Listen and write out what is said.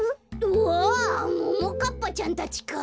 ももかっぱちゃんたちか。